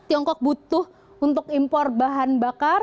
tiongkok butuh untuk impor bahan bakar